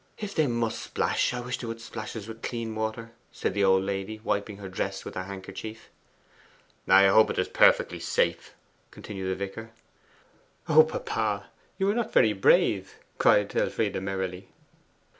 'If they must splash, I wish they would splash us with clean water,' said the old lady, wiping her dress with her handkerchief. 'I hope it is perfectly safe,' continued the vicar. 'O papa! you are not very brave,' cried Elfride merrily.